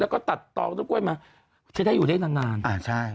แล้วก็ตัดตองต้นกล้วยมาจะได้อยู่ได้นานนานอ่าใช่